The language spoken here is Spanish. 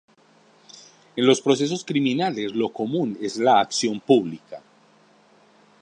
En los procesos criminales lo común es la acción pública.